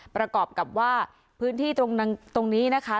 ประกอบกับว่าพื้นที่ตรงนี้นะคะ